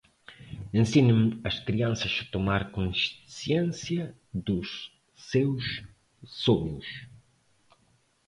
Ensinem as crianças a tomar consciência dos seus sonhos.